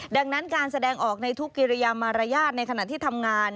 ดังนั้นการแสดงออกในทุกกิริยามารยาทในขณะที่ทำงาน